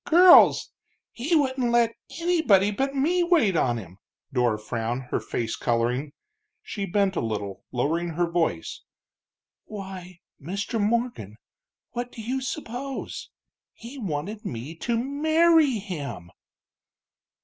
"Girls! he wouldn't let anybody but me wait on him." Dora frowned, her face coloring. She bent a little, lowering her voice. "Why, Mr. Morgan, what do you suppose? He wanted me to marry him!"